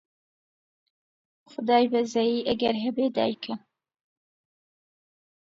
خودای بەزەیی ئەگەر هەبێ دایکە